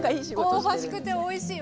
香ばしくておいしい！